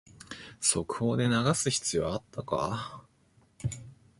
速報で流す必要あったか